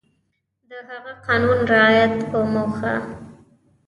د هغه قانون رعایت په موخه